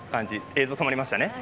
映像止まりましたね。